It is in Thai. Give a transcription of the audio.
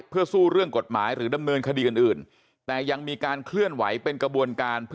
เพื่อสู้เรื่องกฎหมายหรือดำเนินคดีอื่นแต่ยังมีการเคลื่อนไหวเป็นกระบวนการ